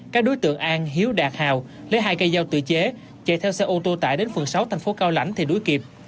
các đối tượng an hiếu đạt hào lấy hai cây dao tự chế chạy theo xe ô tô tải đến phường sáu thành phố cao lãnh thì đuối kịp